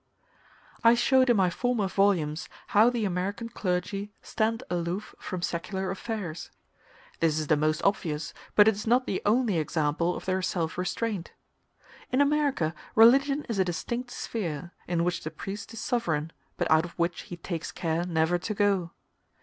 I showed in my former volumes how the American clergy stand aloof from secular affairs. This is the most obvious, but it is not the only, example of their self restraint. In America religion is a distinct sphere, in which the priest is sovereign, but out of which he takes care never to go.